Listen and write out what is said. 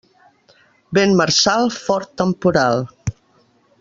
Vent marçal, fort temporal.